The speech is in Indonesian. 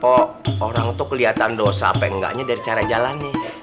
po orang tuh kelihatan dosa pengganya dari cara jalannya